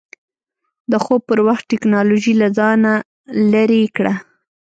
د خوب پر وخت ټېکنالوژي له ځان لرې کړه.